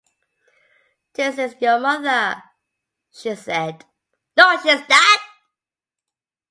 “This is your mother,” she said.